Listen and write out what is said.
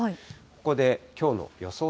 ここできょうの予想